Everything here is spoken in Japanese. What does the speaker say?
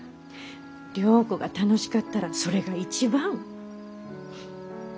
良子が楽しかったらそれが一番。